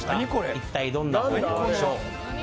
一体どんな方法でしょう？